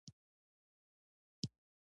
خزانه دار څه مسوولیت لري؟